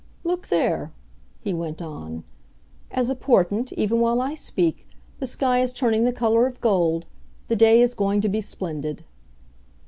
"Look there!" he went on. "As a portent, even while I speak, the sky is turning the color of gold; the day is going to be splendid."